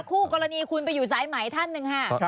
คู่กรณีคุณไปอยู่สายไหมท่านหนึ่งค่ะ